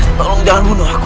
tolong jangan bunuh aku